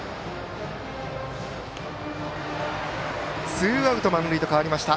ツーアウト満塁と変わりました。